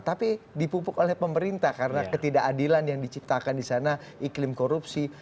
tapi dipupuk oleh pemerintah karena ketidakadilan yang diciptakan di sana iklim korupsi